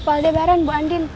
pak aldebaran bu andin